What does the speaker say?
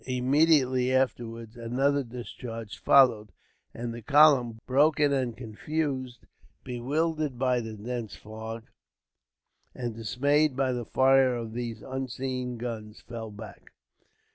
Immediately afterwards another discharge followed, and the column, broken and confused, bewildered by the dense fog, and dismayed by the fire of these unseen guns, fell back.